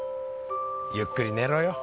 ゆっくり寝ろよ。